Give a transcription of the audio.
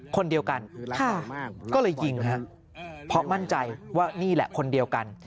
คนเดียวกันก็เลยยิงฮะเพราะมั่นใจว่านี่แหละคนเดียวกัน